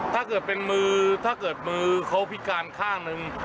ถ้าเกิดเป็นมือเขาพิการข้างหนึ่ง